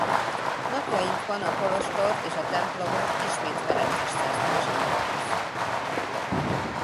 Napjainkban a kolostort és a templomot ismét ferences szerzetesek gondozzák.